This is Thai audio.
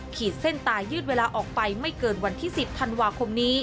ขีดเส้นตายืดเวลาออกไปไม่เกินวันที่๑๐ธันวาคมนี้